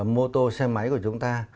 mô tô xe máy của chúng ta